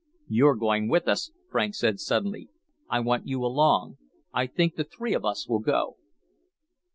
"You're going with us," Franks said suddenly. "I want you along. I think the three of us will go."